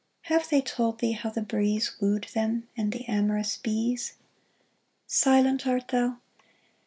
Have they told thee how the breeze Wooed them, and the amorous bees ?*' Silent, art thou